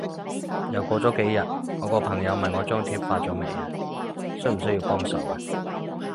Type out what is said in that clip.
又過咗幾日，我個朋友問我張貼發咗未啊？需唔需要幫手啊？